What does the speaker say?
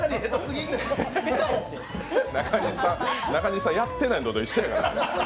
中西さん、やってないのと一緒やから。